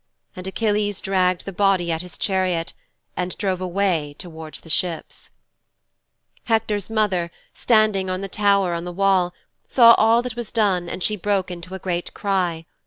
And Achilles dragged the body at his chariot and drove away towards the ships.' 'Hector's mother, standing on the tower on the wall, saw all that was done and she broke into a great cry.